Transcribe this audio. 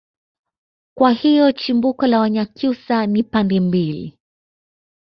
kwa hiyo chimbuko la wanyakyusa ni pande mbili